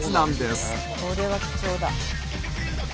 これは貴重だ。